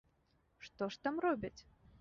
Што ж там робяць?